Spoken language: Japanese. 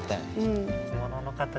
うん。